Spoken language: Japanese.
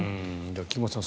菊間さん